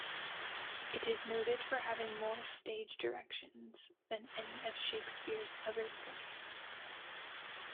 It is noted for having more stage directions than any of Shakespeare's other plays.